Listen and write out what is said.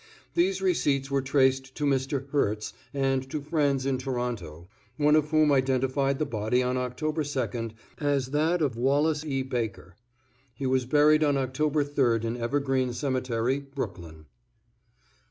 These receipts were traced to Mr. Herts and to friends in Toronto, one of whom identified the body on Oct. 2d as that of Wallace E. Baker. He was buried on Oct. 3d in Evergreen Cemetery, Brooklyn.